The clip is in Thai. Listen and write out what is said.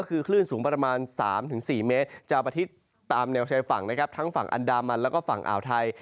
คือคลื่นสูงประมาณ๓๔เมตรจะประทิตตามแนวชายฝั่งนะครับทั้งฝั่งอันดามันแล้วก็ฝั่งอ่าวไทย